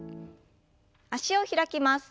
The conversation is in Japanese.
脚を開きます。